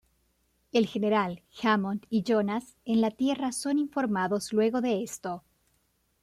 El General Hammond y Jonas en la Tierra son informados luego de esto.